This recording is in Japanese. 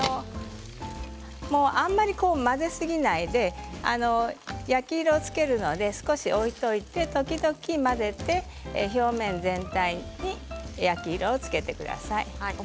あんまり混ぜすぎないで焼き色をつけるので少し置いておいて、時々混ぜて表面全体に焼き色をつけてください。